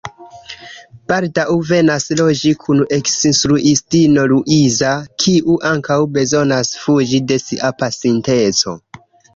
Baldaŭ venas loĝi kun li eksinstruistino Luiza, kiu ankaŭ bezonas fuĝi de sia pasinteco.